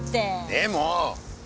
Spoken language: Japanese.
でも！